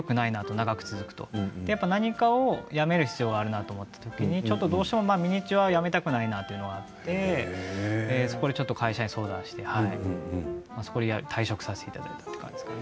長く続くと何かをやめる必要があるなと思ったときにどうしてもミニチュアやめたくないなというのがあって会社に相談してそこで退職させていただいたという感じですかね。